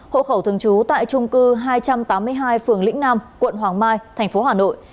hộ khẩu thường trú tại trung cư hai trăm tám mươi hai phường lĩnh nam quận hoàng mai thành phố hà nội